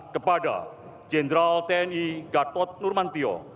kepada jenderal tni gatot nurmantio